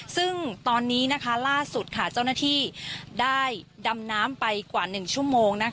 ซึ่งตอนนี้ล่าสุดเจ้าหน้าที่ได้ดำน้ำไปกว่า๑ชั่วโมง